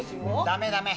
ダメダメ！